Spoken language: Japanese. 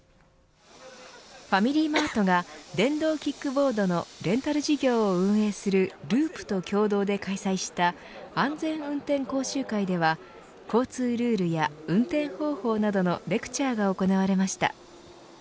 ファミリーマートが電動キックボードのレンタル事業を運営するＬＵＵＰと共同で開催した安全運転講習会では交通ルールや運転方法などのレクチャーが行われました。